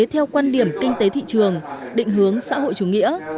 theo quan điểm kinh tế thị trường định hướng xã hội chủ nghĩa